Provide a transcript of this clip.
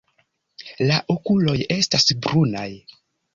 La okuloj estas brunaj.